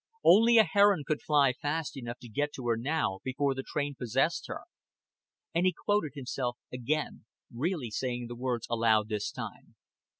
Only a heron could fly fast enough to get to her now before the train possessed her. And he quoted himself again, really saying the words aloud this time.